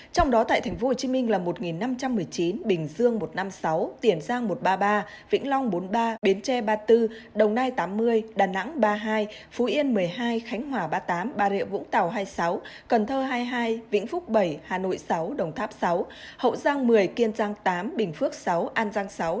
trong đó tại tp hcm là một năm trăm một mươi chín bình dương một năm mươi sáu tiền giang một ba mươi ba vĩnh long bốn ba biến tre ba bốn đồng nai tám mươi đà nẵng ba hai phú yên một mươi hai khánh hòa ba tám bà rịa vũng tàu hai sáu cần thơ hai hai vĩnh phúc bảy hà nội sáu đồng tháp sáu hậu giang một mươi kiên giang tám bình phước sáu an giang sáu đồng tháp sáu